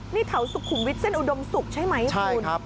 นี่เถาสุขุมวิชเส้นอุดมสุขใช่ไหมครับคุณ